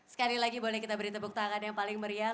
sekali lagi boleh kita beri tepuk tangan yang paling meriah